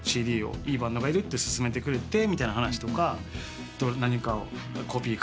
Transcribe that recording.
「いいバンドがいるって薦めてくれて」みたいな話とか何かをコピー。